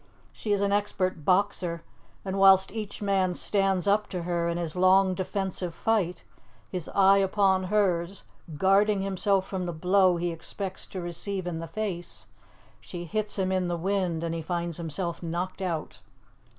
She is an expert boxer, and whilst each man stands up to her in his long, defensive fight, his eye upon hers, guarding himself from the blow he expects to receive in the face, she hits him in the wind and he finds himself knocked out.